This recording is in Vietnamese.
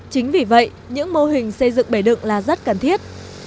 chính vì vậy những mô hình xây dựng bể đựng là rất cần thiết